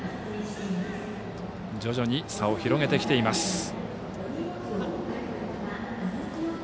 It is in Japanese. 徐々に差を広げてきています。